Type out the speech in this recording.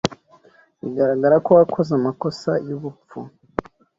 Bigaragara ko wakoze amakosa yubupfu.